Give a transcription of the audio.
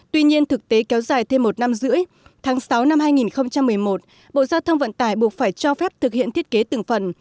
tuy nhiên thực tế kéo dài thêm một năm rưỡi tháng sáu năm hai nghìn một mươi một bộ giao thông vận tải buộc phải cho phép thực hiện thiết kế từng phần